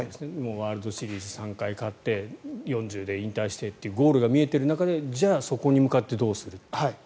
ワールドシリーズ３回勝って４０で引退してっていうゴールが見えている中でじゃあ、そこに向かってどうするっていう。